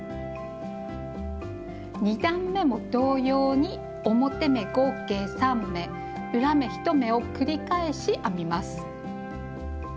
２段めも同様に表目合計３目裏目１目を繰り返し編みます。